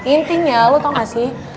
intinya lo tau gak sih